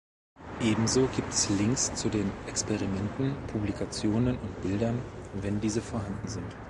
Ebenso gibt es Links zu den Experimenten, Publikationen und Bildern, wenn diese vorhanden sind.